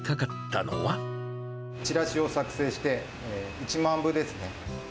チラシを作成して、１万部ですね。